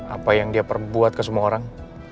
apa yang dia perbuat ke semua orang